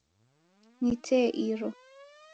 Ni tee iro.